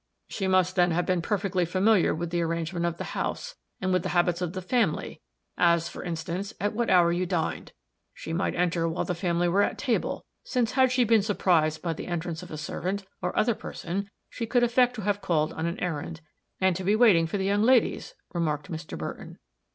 "She must, then, have been perfectly familiar with the arrangement of the house, and with the habits of the family; as for instance, at what hour you dined. She might enter while the family were at table, since, had she been surprised by the entrance of a servant, or other person, she could affect to have called on an errand, and to be waiting for the young ladies," remarked Mr. Burton.